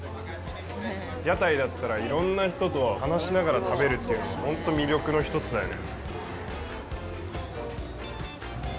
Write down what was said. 屋台だったら、いろんな人と話しながら食べるというのもほんと魅力の一つだよね。